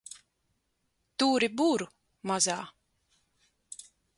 Turi buru, mazā!